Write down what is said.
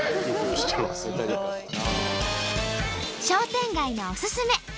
商店街のおすすめ。